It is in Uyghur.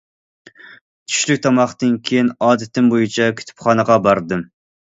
چۈشلۈك تاماقتىن كېيىن ئادىتىم بويىچە كۇتۇپخانىغا باردىم.